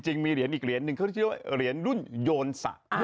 จริงมีเหรียญอีกเหรียญหนึ่งเขาเรียกว่าเหรียญรุ่นโยนศักดิ์